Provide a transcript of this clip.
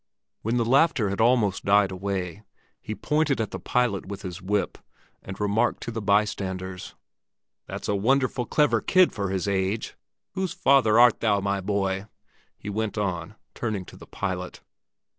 When the laughter had almost died away, he pointed at the pilot with his whip, and remarked to the bystanders— "That's a wonderful clever kid for his age! Whose father art thou, my boy?" he went on, turning to the pilot.